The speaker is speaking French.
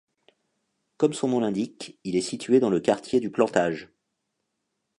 Comme son nom l'indique, il est situé dans le quartier du Plantage.